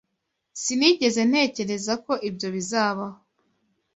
Sinigeze ntekereza ko ibyo bizabaho.